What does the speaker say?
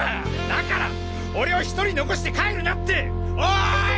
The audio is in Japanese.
だから俺を１人残して帰るなっておい！